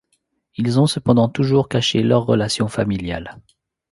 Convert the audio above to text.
Ils ont cependant toujours caché leur relation familiale.